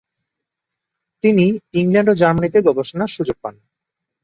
তিনি ইংল্যান্ড ও জার্মানীতে গবেষণার সুযোগ পান।